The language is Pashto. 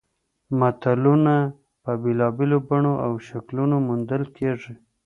متلونه په بېلابېلو بڼو او شکلونو موندل کیږي